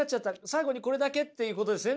最後にこれだけ」っていうことですね？